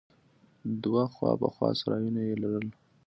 دوه خوا په خوا سرايونه يې لرل.